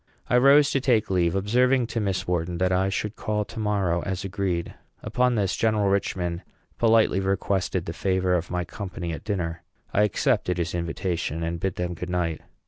I rose to take leave, observing to Miss Wharton that I should call to morrow, as agreed. Upon this, General Richman politely requested the favor of my company at dinner. I accepted his invitation, and bade them good night.